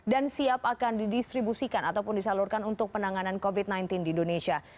dan siap akan didistribusikan ataupun disalurkan untuk penanganan covid sembilan belas di indonesia